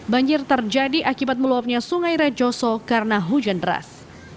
banjir terjadi akibat meluapnya sungai rejoso karena hujan deras